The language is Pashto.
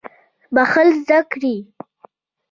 بخښل زده کړئ